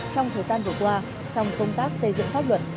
trong thời gian vừa qua trong công tác xây dựng pháp luật